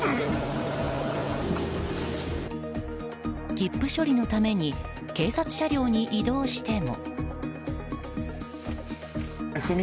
切符処理のために警察車両に移動しても。